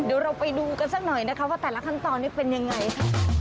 เดี๋ยวเราไปดูกันสักหน่อยนะคะว่าแต่ละขั้นตอนนี้เป็นยังไงค่ะ